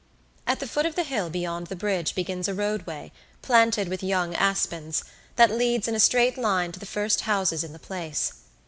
At the foot of the hill beyond the bridge begins a roadway, planted with young aspens, that leads in a straight line to the first houses in the place.